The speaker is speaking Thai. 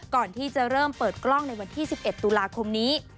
ก่อนที่จะเริ่มเปิดกล้องในวันที่๑๑ตุลาคมนี้